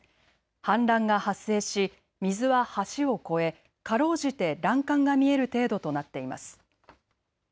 氾濫が発生し水は橋を越えかろうじて欄干が見える程度となっています。